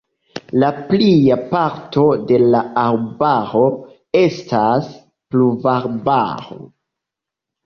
La plia parto de la arbaro estas pluvarbaro.